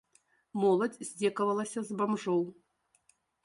Моладзь здзекавалася з бамжоў.